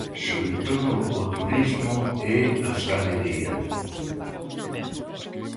Sobre todo, o turismo e a hostalería.